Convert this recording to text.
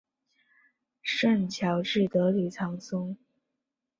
圣乔治德吕藏松。